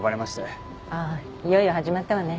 ああいよいよ始まったわね。